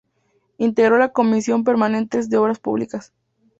Integró la Comisión Permanente de Obras Públicas.